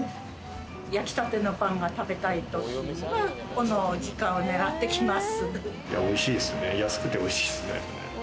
焼きたてのパンが食べたい時にここを狙ってきます。